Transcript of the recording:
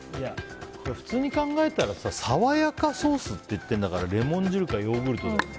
普通に考えたら爽やかソースって言ってんだからレモン汁かヨーグルトだよね。